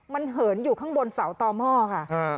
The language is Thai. มันเหินอยู่ข้างบนเสาต่อหม้อค่ะ